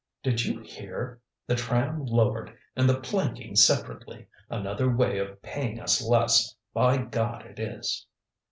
Did you hear? The tram lowered, and the planking separately! Another way of paying us less. By God it is!"